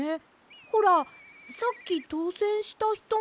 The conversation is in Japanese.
ほらさっきとうせんしたひとも。